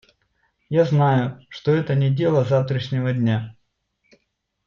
Я знаю, что это не дело завтрашнего дня.